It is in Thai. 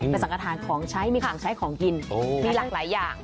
เป็นสังกฐานของใช้มีของใช้ของกินมีหลากหลายอย่าง